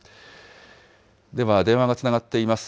では電話がつながっています。